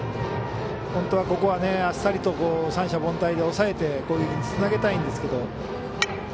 本当はここはあっさりと三者凡退で抑えて攻撃につなげたいんですけど。